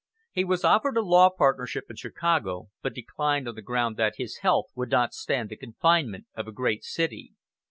He was offered a law partnership in Chicago, but declined on the ground that his health would not stand the confinement of a great city.